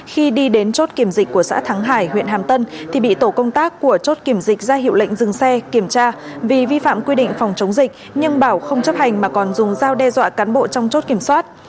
khi đi đến chốt kiểm dịch của xã thắng hải huyện hàm tân thì bị tổ công tác của chốt kiểm dịch ra hiệu lệnh dừng xe kiểm tra vì vi phạm quy định phòng chống dịch nhưng bảo không chấp hành mà còn dùng dao đe dọa cán bộ trong chốt kiểm soát